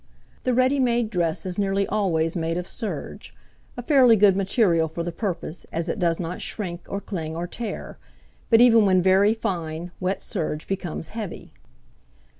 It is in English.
The ready made dress is nearly always made of serge, a fairly good material for the purpose, as it does not shrink, or cling, or tea; but, even when very fine, wet serge becomes heavy.